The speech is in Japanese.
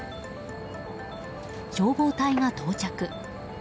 消防隊が到着。